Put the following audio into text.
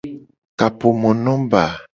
Kapomonomba.